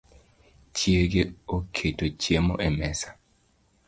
Chiege oketo chiemo e mesa